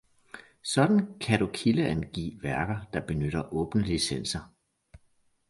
Sådan kan du kildeangive værker, der benytter åbne licenser.